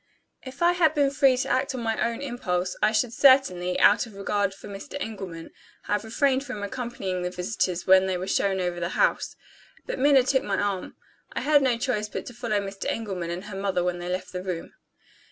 If I had been free to act on my own impulse, I should certainly (out of regard for Mr. Engelman) have refrained from accompanying the visitors when they were shown over the house. But Minna took my arm. I had no choice but to follow Mr. Engelman and her mother when they left the room.